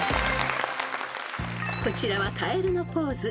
［こちらはカエルのポーズ］